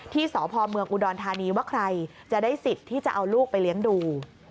ที่สพเมืองอุดรธานีว่าใครจะได้สิทธิ์ที่จะเอาลูกไปเลี้ยงดู